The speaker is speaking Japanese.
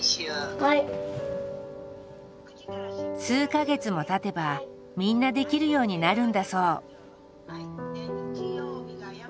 数か月もたてばみんなできるようになるんだそう。